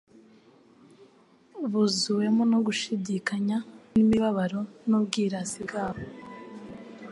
buzuwemo no gushidikanya n'imibabaro n'ubwirasi bwabo;